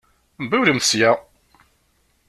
Mbiwlemt sya!